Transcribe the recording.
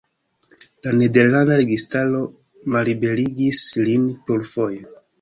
La nederlanda registaro malliberigis lin plurfoje.